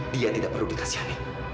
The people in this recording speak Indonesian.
dia tidak perlu dikasihani